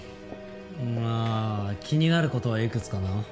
まあ気になる事はいくつかな。